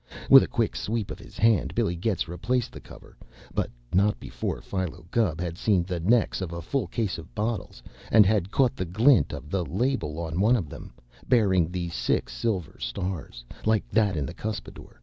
With a quick sweep of his hand Billy Getz replaced the cover, but not before Philo Gubb had seen the necks of a full case of bottles and had caught the glint of the label on one of them, bearing the six silver stars, like that in the cuspidor.